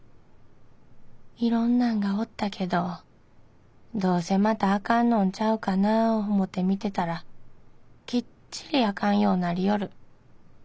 いろんなんがおったけどどうせまたアカンのんちゃうかなー思て見てたらきっちりアカンようなりよる。